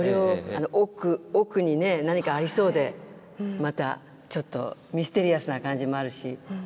奥にね何かありそうでまたちょっとミステリアスな感じもあるし。